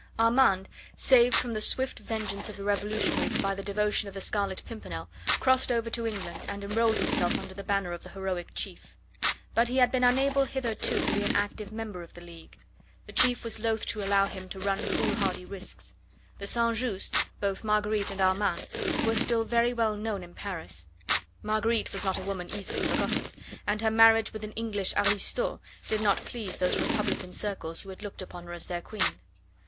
Armand, saved from the swift vengeance of the revolutionaries by the devotion of the Scarlet Pimpernel, crossed over to England and enrolled himself under the banner of the heroic chief. But he had been unable hitherto to be an active member of the League. The chief was loath to allow him to run foolhardy risks. The St. Justs both Marguerite and Armand were still very well known in Paris. Marguerite was not a woman easily forgotten, and her marriage with an English "aristo" did not please those republican circles who had looked upon her as their queen.